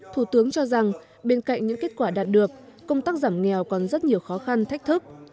thủ tướng cho rằng bên cạnh những kết quả đạt được công tác giảm nghèo còn rất nhiều khó khăn thách thức